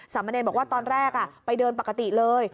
สามเมอร์เนนบอกว่าตอนแรกไปเดินปกติเลย